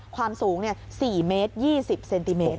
ความสูง๔เมตร๒๐เซนติเมตร